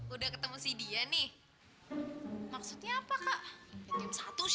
udah ketemu si dia nih maksudnya apa kak jam satu sih